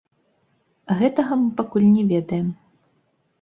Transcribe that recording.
Гэтага мы пакуль не ведаем.